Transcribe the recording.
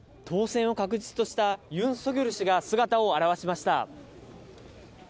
当選を確実としたユン・ソギョル氏が姿を現しました。